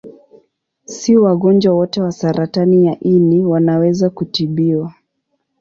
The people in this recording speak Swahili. Si wagonjwa wote wa saratani ya ini wanaweza kutibiwa.